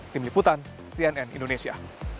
tim liputan cnn indonesia